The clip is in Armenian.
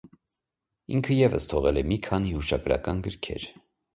Ինքը ևս թողել է մի քանի հուշագրական գրքեր։